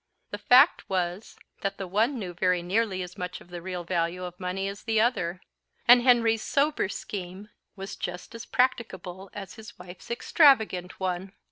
The fact was that the one knew very nearly as much of the real value of money as the other, and Henry's sober scheme was just as practicable as his wife's extravagant one.